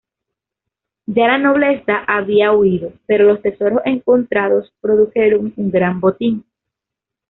Ya la nobleza había huido pero los tesoros encontrados produjeron un gran botín.